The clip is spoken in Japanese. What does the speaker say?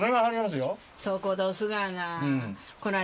そこどすがな。